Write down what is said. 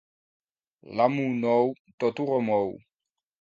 L'amo nou tot ho remou.